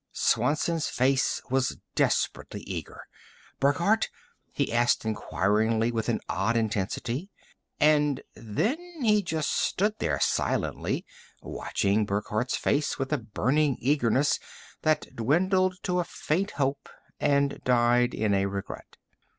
Swanson's face was desperately eager. "Burckhardt?" he asked inquiringly, with an odd intensity. And then he just stood there silently, watching Burckhardt's face, with a burning eagerness that dwindled to a faint hope and died to a regret.